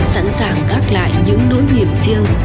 sẵn sàng gác lại những nỗi nghiệp riêng